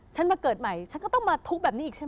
มาเกิดใหม่ฉันก็ต้องมาทุกข์แบบนี้อีกใช่ไหม